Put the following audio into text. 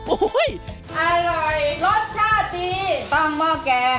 อร่อยรสชาติต้มหม้อแกง